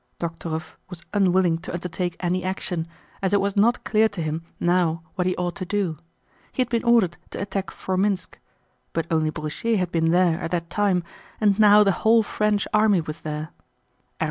Dokhtúrov was unwilling to undertake any action, as it was not clear to him now what he ought to do. He had been ordered to attack Formínsk. But only Broussier had been there at that time and now the whole French army was there.